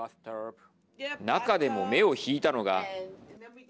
中でも目を引いたのが。